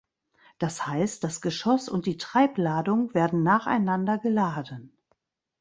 Das heißt, das Geschoss und die Treibladung werden nacheinander geladen.